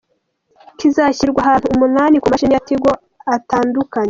Kizashyirwa ahantu umunani ku mashami ya Tigo atandukanye.